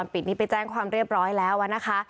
ไปแจ้งความเรียบร้อยแล้วว่านะคะ